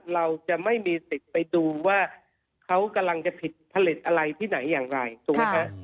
เราจะไม่มีสิทธิ์ไปดูว่าเขากำลังจะผิดผลิตอะไรที่ไหนอย่างไรถูกไหมฮะ